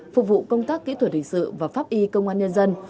phục vụ công tác kỹ thuật hình sự và pháp y công an nhân dân